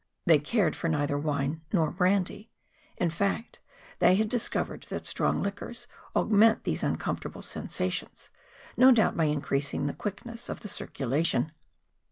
They cared for neitlier wine nor brandy. In fact, they had dis¬ covered that strong liquors augment these uncom¬ fortable sensations, no doubt by increasing the quickness of the circulation.